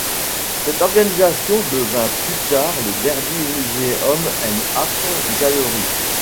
Cette organisation devint plus tard le Derby Museum and Art Gallery.